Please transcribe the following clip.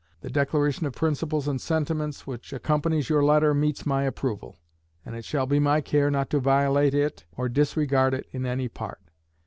The declaration of principles and sentiments which accompanies your letter meets my approval, and it shall be my care not to violate it, or disregard it in any part.